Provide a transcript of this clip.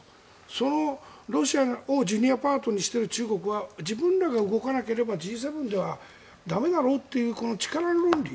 そのロシアをジュニアパートナーにしている中国は自分らが動かなければＧ７では駄目だろうという力の論理